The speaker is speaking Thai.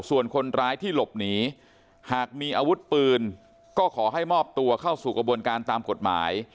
ส่วนคนร้ายที่หลบหนีหากมีอาวุธปืนก็ขอให้มอบตัวเข้าสู่กระบวนการตามกฎหมาย